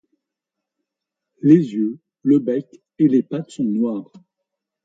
Les yeux, le bec, et les pattes sont noirs.